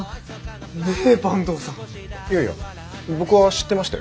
いやいや僕は知ってましたよ。